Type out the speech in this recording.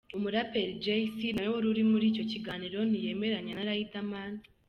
Umuraperi Jay C nawe wari uri muri icyo kiganiro ntiyemeranya na Riderman.